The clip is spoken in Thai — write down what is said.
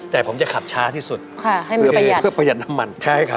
แต่ผมจะขับช้าที่สุดเพื่อประหยัดน้ำมันใช่ครับ